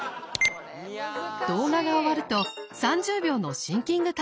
動画が終わると３０秒のシンキングタイム。